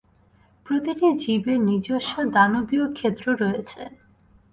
প্রতিটি জীবের নিজস্ব দানবীয় ক্ষেত্র রয়েছে।